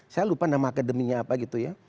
saya lupa nama akademinya apa gitu ya